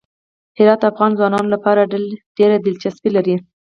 هرات د افغان ځوانانو لپاره ډېره دلچسپي لري.